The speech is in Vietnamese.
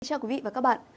xin chào quý vị và các bạn